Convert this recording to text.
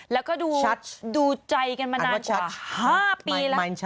แล้วก็ดูดูดูใจเกินมา๕ปีแล้ว